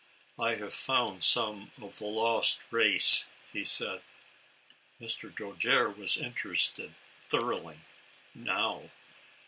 " I have found some of the lost lace," he said. Mr. Dojere was interested thoroughly, now.